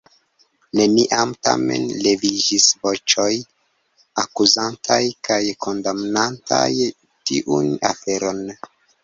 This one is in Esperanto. Neniam, tamen, leviĝis voĉoj akuzantaj kaj kondamnantaj tiun aferon.